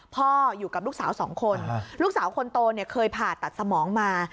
พ่ออยู่กับลูกสาวสองคนลูกสาวคนโตเนี่ยเคยผ่าตัดสมองมา